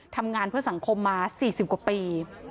ทำงานเพื่อสังคมมา๔๐กว่าปี